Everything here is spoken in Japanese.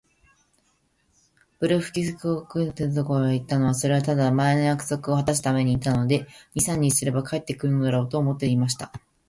ブレフスキュ国皇帝のところへ行ったのは、それはただ、前の約束をはたすために行ったので、二三日すれば帰って来るだろう、と思っていました。